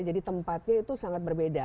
jadi tempatnya itu sangat berbeda